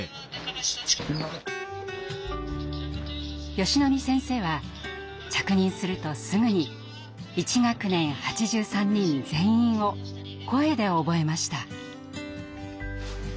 よしのり先生は着任するとすぐに１学年８３人全員を声で覚えました。